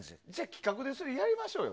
企画でそれやりましょうよ。